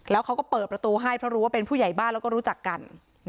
แล้วเขาก็เปิดประตูให้เพราะรู้ว่าเป็นผู้ใหญ่บ้านแล้วก็รู้จักกัน